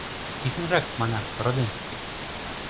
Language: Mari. — Писынрак, — манам, — родем...